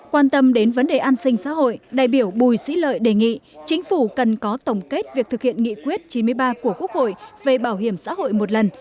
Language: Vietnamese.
quan tâm đến vấn đề an sinh xã hội đại biểu bùi sĩ lợi đề nghị chính phủ cần có tổng kết việc thực hiện nghị quyết chín mươi ba của quốc hội về bảo hiểm xã hội một lần